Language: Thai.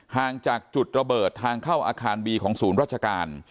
ห่างจากจุดระเบิดทางเข้าอาคารบีของศูนย์ราชการ